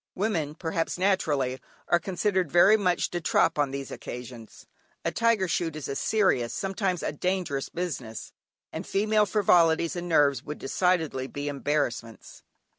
Women, perhaps naturally, are considered very much "de trop" on these occasions. A tiger shoot is a serious, sometimes a dangerous business, and female frivolities and nerves would decidedly be embarrassments.